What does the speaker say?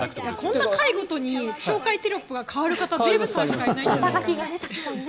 こんな回ごとに紹介の肩書変わる方デーブさんしかいないと思います。